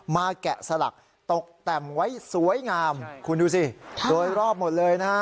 แกะสลักตกแต่งไว้สวยงามคุณดูสิโดยรอบหมดเลยนะฮะ